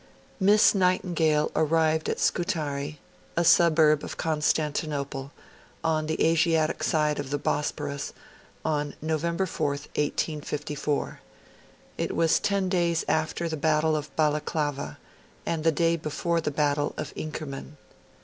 Miss Nightingale arrived at Scutari a suburb of Constantinople, on the Asiatic side of the Bosphorus on November 4th, 1854; it was ten days after the battle of Balaclava, and the day before the battle of Inkerman.